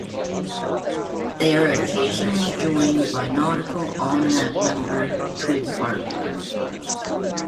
They are occasionally joined by Nautical Almanac member Twig Harper.